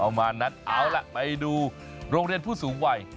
ประมาณนั้นเอาล่ะไปดูโรงเรียนผู้สูงวัย